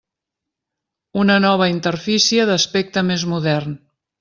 Una nova interfície d'aspecte més modern.